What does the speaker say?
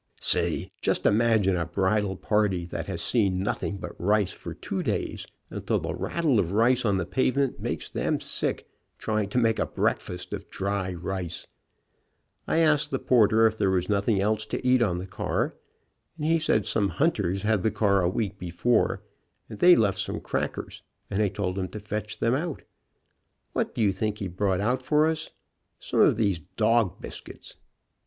Say, just imagine a bridal party, that has seen nothing but rice for two days, until the rattle of rice on the pavement makes them sick, try ing to make a breakfast of dry rice. I asked the porter The wind blowing four ways for Sunday. INTERRUPTED WEDDING TRIP 59 if there was nothing else to eat on the car, and he said some hunters had the car a week before, and they left some crackers, and I told him to fetch them out. What do you think he brought out for us? Some of these dog biscuit !